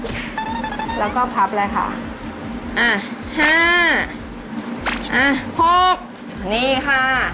ดูท่าจะยากจริงนะครับเนี่ย